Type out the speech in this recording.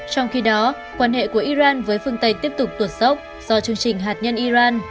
trong khi đó quan hệ của iran với phương tây tiếp tục tuột sốc do chương trình hạt nhân iran